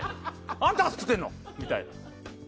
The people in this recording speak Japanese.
「あんたが作ってんの！」みたいな。